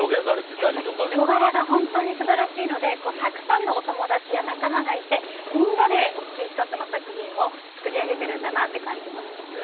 やっぱり人柄が本当に素晴らしいのでたくさんのお友達や仲間がいてみんなで大きい１つの作品を作り上げているんだなと感じましたね。